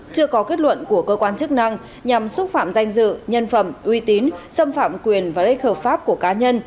chưa có kết luận của cơ quan chức năng nhằm xúc phạm danh dự nhân phẩm uy tín xâm phạm quyền và lợi ích hợp pháp của cá nhân